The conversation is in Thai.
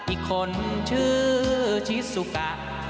อีกคนชื่อชิสุกะ